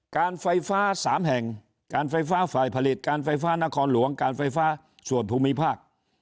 การไฟฟ้า๓แห่งการไฟฟ้าฝ่ายผลิตการไฟฟ้านครหลวงการไฟฟ้าส่วนภูมิภาค